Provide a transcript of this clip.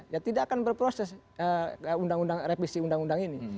ya tidak akan berproses revisi undang undang ini